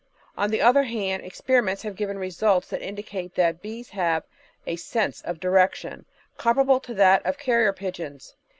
On the other hand, experiments have given results that indicate that bees have a "sense of direction," comparable to that of carrier pigeons.